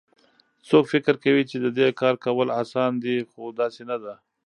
څوک فکر کوي چې د دې کار کول اسان دي خو داسي نه ده